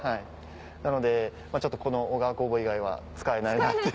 なのでこの小川酵母以外は使えないなっていう。